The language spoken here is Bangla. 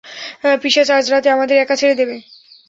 পিশাচ আজ রাতে আমাদের একা ছেড়ে দেবে!